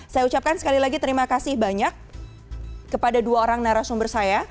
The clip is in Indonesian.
saya ucapkan sekali lagi terima kasih banyak kepada dua orang narasumber saya